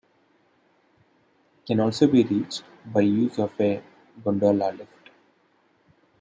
It can also be reached by use of a gondola lift.